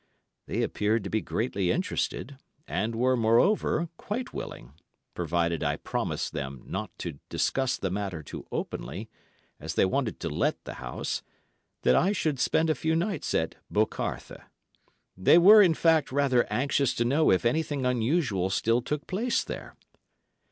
They appeared to be greatly interested; and were, moreover, quite willing, provided I promised them not to discuss the matter too openly, as they wanted to let the house, that I should spend a few nights at "Bocarthe." They were, in fact, rather anxious to know if anything unusual still took place there.